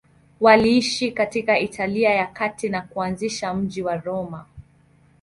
Waliishi katika Italia ya Kati na kuanzisha mji wa Roma.